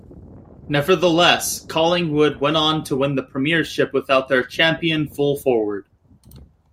Nevertheless, Collingwood went on to win the premiership without their champion full forward.